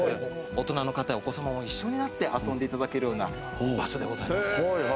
大人の方、お子様も一緒になって遊んでいただけるような場所でございます。